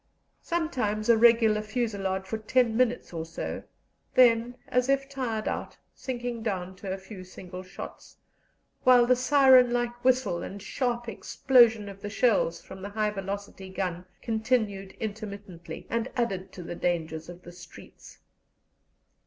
Sometimes a regular fusillade for ten minutes or so; then, as if tired out, sinking down to a few single shots, while the siren like whistle and sharp explosion of the shells from the high velocity gun continued intermittently, and added to the dangers of the streets.